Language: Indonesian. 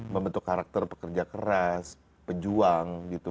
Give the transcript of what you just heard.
membentuk karakter pekerja keras pejuang gitu